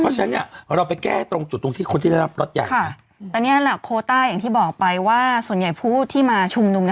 เพราะฉะนั้นเนี่ยเราไปแก้ตรงจุดตรงที่คนที่ได้รับรถใหญ่ค่ะแต่เนี่ยโคต้าอย่างที่บอกไปว่าส่วนใหญ่ผู้ที่มาชุมนุม